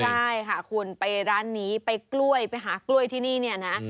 ใช่ค่ะคุณไปร้านนี้ไปกล้วยไปหากล้วยที่นี่เนี่ยนะ